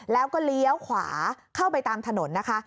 แล้วก็เลี้ยวขวาเข้าไปตามถนนนะคะ